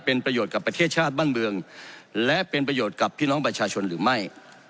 เป็นประโยชน์กับประเทศชาติบ้านเมืองและเป็นประโยชน์กับพี่น้องประชาชนหรือไม่